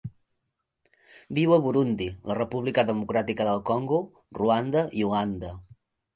Viu a Burundi, la República Democràtica del Congo, Ruanda i Uganda.